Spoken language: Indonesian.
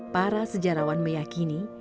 para sejarawan meyakini